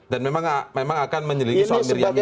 dan memang akan menyelidiki soal miriam ini